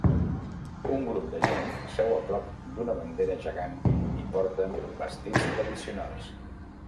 Un grup de gent seu a prop d'una bandera gegant i porten vestits tradicionals